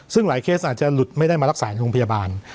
ซึ่งหลายเคสอาจจะหลุดไม่ได้มารักษาในโรงพยาบาล